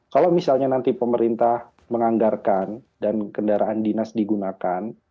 kalau misalnya nanti pemerintah menganggarkan dan kendaraan dinas digunakan